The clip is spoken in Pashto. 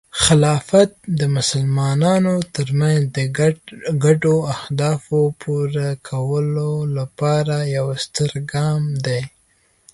خلافت د مسلمانانو ترمنځ د ګډو اهدافو پوره کولو لپاره یو ستر ګام دی.